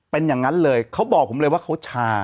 เป็นอย่างนั้นเลยเขาบอกผมเลยว่าเขาชา